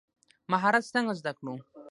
مهارت څنګه زده کړو؟